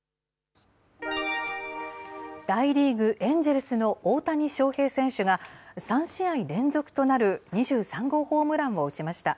大リーグ・エンジェルスの大谷翔平選手が３試合連続となる２３号ホームランを打ちました。